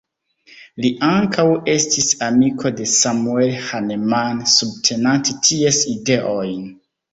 Li ankaŭ estis amiko de Samuel Hahnemann subtenante ties ideojn.